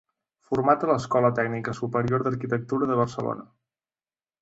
Format a l'Escola Tècnica Superior d'Arquitectura de Barcelona.